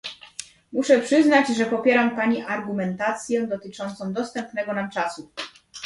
Muszę przyznać, że popieram Pani argumentację dotyczącą dostępnego nam czasu